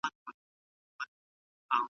تر جماع وروسته اودس کول سنت عمل دی.